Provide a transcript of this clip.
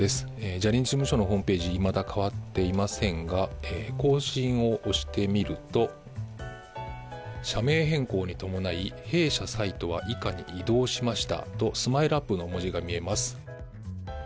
ジャニーズ事務所のホームページいまだ変わっていませんが更新を押してみると社名変更に伴い、弊社サイトは以下に移動しましたとＳＭＩＬＥ‐ＵＰ．の文字が見えます。